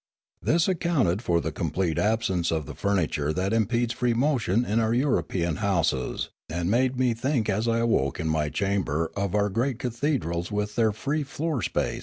This ac counted for the complete absence of the furniture that impedes free motion in our European houses and made me think as I awoke in my chamber of our great cathedrals with their free floor space.